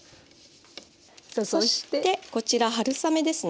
そしてこちら春雨ですね。